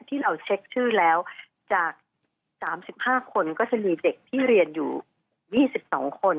ที่เราเช็คชื่อแล้วจาก๓๕คนก็จะมีเด็กที่เรียนอยู่๒๒คน